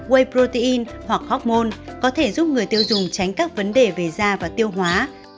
whey protein hoặc hormone có thể giúp người tiêu dùng tránh các vấn đề về da và tiêu hóa